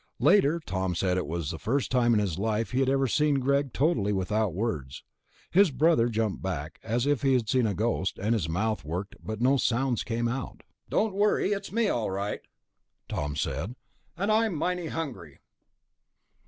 Later, Tom said it was the first time in his life that he had ever seen Greg totally without words; his brother jumped back, as if he had seen a ghost, and his mouth worked, but no sounds came out. "Don't worry, it's me all right," Tom said, "and I'm mighty hungry."